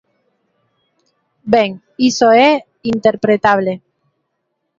Ben, iso é interpretable.